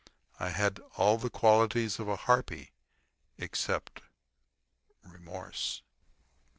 I had all the qualities of a harpy except remorse.